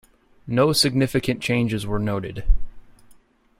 No significant changes were noted.